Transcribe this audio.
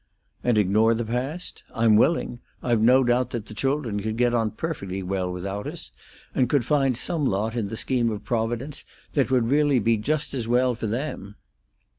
"And ignore the past? I'm willing. I've no doubt that the children could get on perfectly well without us, and could find some lot in the scheme of Providence that would really be just as well for them."